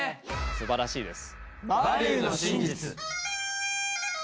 すばらしいです。